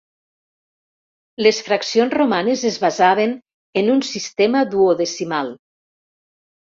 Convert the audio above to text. Les fraccions romanes es basaven en un sistema duodecimal.